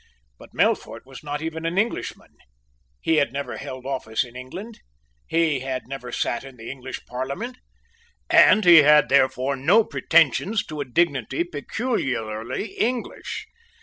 But Melfort was not even an Englishman; he had never held office in England; he had never sate in the English Parliament; and he had therefore no pretensions to a dignity peculiarly English.